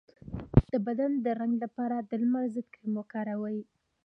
د بدن د رنګ لپاره د لمر ضد کریم وکاروئ